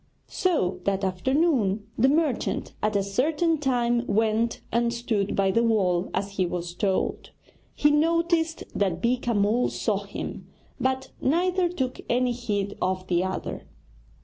So, that afternoon, the merchant at a certain time went and stood by the wall as he was told. He noticed that Beeka Mull saw him, but neither took any heed of the other.